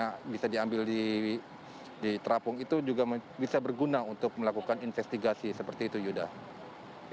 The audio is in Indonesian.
yang bisa diambil di terapung itu juga bisa berguna untuk melakukan investigasi seperti itu yuda